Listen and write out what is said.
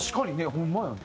ホンマやね。